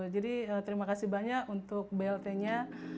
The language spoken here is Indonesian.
jadi terima kasih banyak untuk blt nya